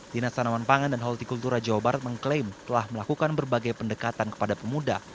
dinas tanaman pangan dan holti kultura jawa barat mengklaim telah melakukan berbagai pendekatan kepada pemuda